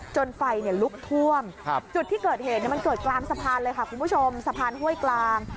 ไฟลุกท่วมจุดที่เกิดเหตุมันเกิดกลางสะพานเลยค่ะคุณผู้ชมสะพานห้วยกลาง